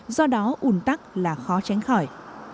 do đó ùn tắc là khó tránh khỏi